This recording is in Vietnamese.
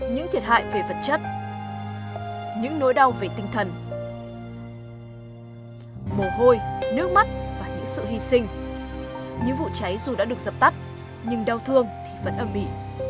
những thiệt hại về vật chất những nỗi đau về tinh thần mồ hôi nước mắt và những sự hy sinh những vụ cháy dù đã được dập tắt nhưng đau thương thì vẫn âm bị